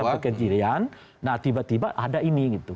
nah muncul sampai pada kajian nah tiba tiba ada ini gitu